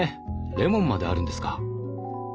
レモンまであるんですか。